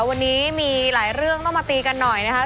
วันนี้มีหลายเรื่องต้องมาตีกันหน่อยนะครับ